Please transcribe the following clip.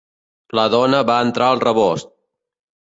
La dona va entrar al rebost.